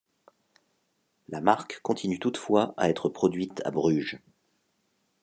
La marque continue toutefois à être produite à Bruges.